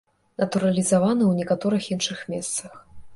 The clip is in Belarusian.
Натуралізаваны ў некаторых іншых месцах.